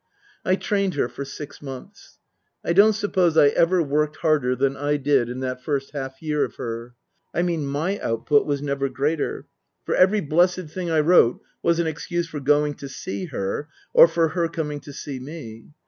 I trained her for six months. I don't suppose I ever worked harder than I did in that first half year of her. I mean my output was never greater. For every blessed thing I wrote was an excuse for going to see her, or for her coming to see me.